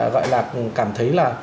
gọi là cảm thấy là